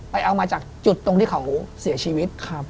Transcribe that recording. เอามาจากจุดตรงที่เขาเสียชีวิต